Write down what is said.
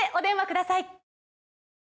ください